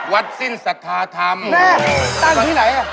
วัดสิ้นสัทธาธรรมแม่ตั้งที่ไหน